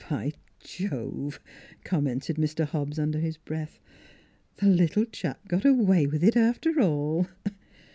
" By Jove! " commented Mr. Hobbs, under his breath; "the little chap got away with it, after all!"